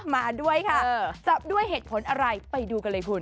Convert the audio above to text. มาด้วยค่ะจับด้วยเหตุผลอะไรไปดูกันเลยคุณ